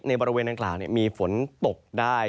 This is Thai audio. ในบริเวณอังกฤษมีฝนตกได้